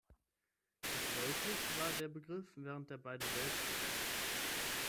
Gebräuchlich war der Begriff während der beiden Weltkriege.